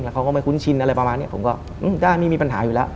เขาก็ไม่คุ้นชินอะไรประมาณนี้ผมก็ได้ไม่มีปัญหาอยู่แล้ว